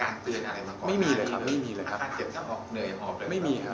หลังจากดูหนังเสร็จตอนนั้นคุณพ่อยังเดินเหินอะไรปกติไหมครับ